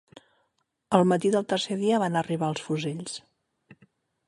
El matí del tercer dia van arribar els fusells.